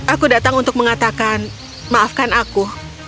aku datang untuk mengatakan maafkan aku